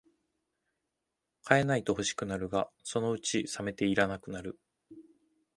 買えないと欲しくなるが、そのうちさめていらなくなる